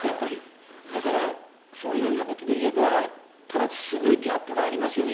だから、そういうことでいえばただすごいギャップがありますよね。